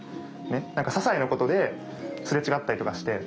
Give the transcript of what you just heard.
ささいなことですれ違ったりとかして。